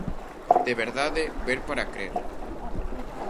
De verdade, ¡ver para crer!